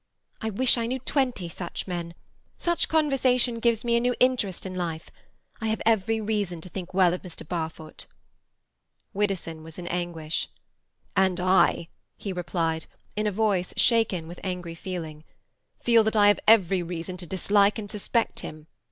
I wish I knew twenty such men. Such conversation gives me a new interest in life. I have every reason to think well of Mr. Barfoot." Widdowson was in anguish. "And I," he replied, in a voice shaken with angry feeling, "feel that I have every reason to dislike and suspect him.